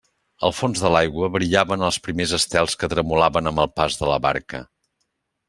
Al fons de l'aigua brillaven els primers estels que tremolaven amb el pas de la barca.